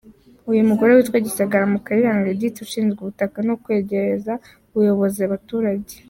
Uwo mugore yitwa Gisagara Mukayiranga Edith ushinzwe ubutaka no kwegereza ubuyobozi abaturage.